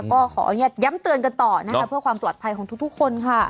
ก็ขออนุญาตย้ำเตือนกันต่อนะคะเพื่อความปลอดภัยของทุกคนค่ะ